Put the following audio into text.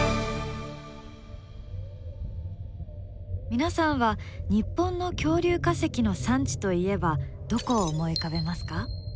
皆さんは日本の恐竜化石の産地といえばどこを思い浮かべますか？